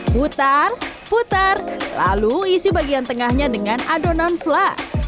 putar putar lalu isi bagian tengahnya dengan adonan fla